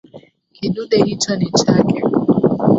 Kidude hicho ni chake.